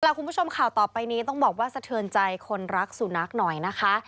คุณผู้ชมข่าวต่อไปนี้ต้องบอกว่าสะเทือนใจคนรักสุนัขหน่อยนะคะ